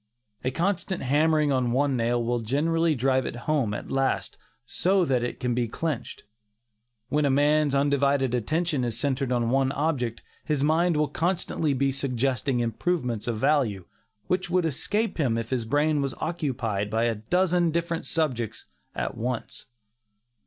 A constant hammering on one nail will generally drive it home at last, so that it can be clinched. When a man's undivided attention is centred on one object, his mind will constantly be suggesting improvements of value, which would escape him if his brain was occupied by a dozen different subjects at once.